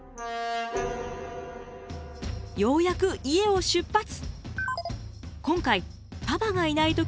ようやく家を出発。